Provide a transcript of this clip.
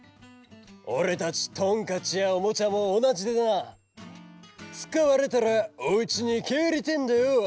・おれたちトンカチやおもちゃもおなじでなつかわれたらおうちにけえりてえんだよ！